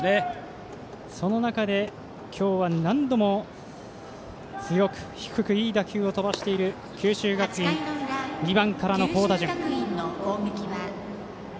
その中で、今日は何度も強く、低く、いい打球を飛ばしている九州学院２番からの好打順。